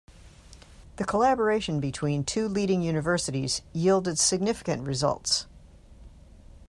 The collaboration between two leading Universities yielded significant results.